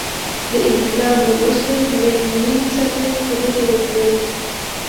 د انقلاب له مشر لینین سره خبرې وکړي.